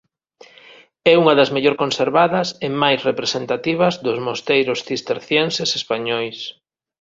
É unha das mellor conservadas e máis representativas dos mosteiros cistercienses españois.